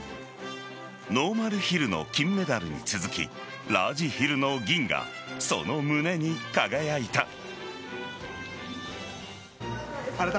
ノーマルヒルの金メダルに続きラージヒルの銀がその胸に輝いた。